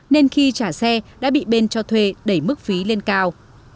nên khi trả xe đã bị bên cho thuê đẩy mức phí lên cao